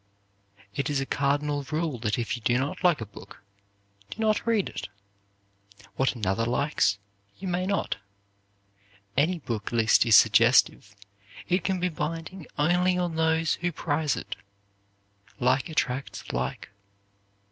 It is a cardinal rule that if you do not like a book, do not read it. What another likes, you may not. Any book list is suggestive; it can be binding only on those who prize it. Like attracts like.